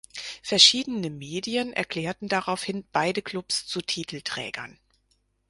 Verschiedene Medien erklärten daraufhin beide Klubs zu Titelträgern.